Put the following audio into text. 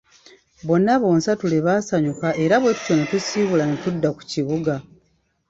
Bonna bonsatule baasanyuka era bwe tutyo ne tusiibula ne tudda ku kibuga.